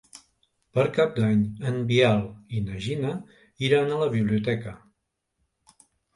Per Cap d'Any en Biel i na Gina iran a la biblioteca.